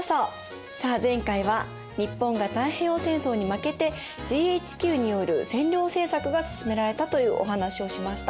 さあ前回は日本が太平洋戦争に負けてＧＨＱによる占領政策が進められたというお話をしました。